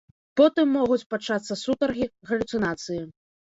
Потым могуць пачацца сутаргі, галюцынацыі.